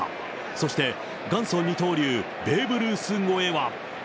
そして、元祖二刀流、ベーブ・ルース超えは。